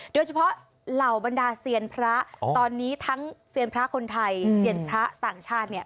เหล่าบรรดาเซียนพระตอนนี้ทั้งเซียนพระคนไทยเซียนพระต่างชาติเนี่ย